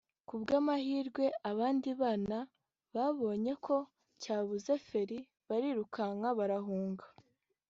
Ku bw’amahirwe abandi bana babonye ko cyabuze feri bariruka barahunga